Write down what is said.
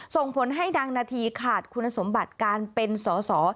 ส่งผลให้นางนาธีขาดคุณสมบัติการเป็นสอสอ